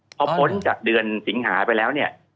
พอพ้นจากเดือนสิงหาไปแล้วเนี่ย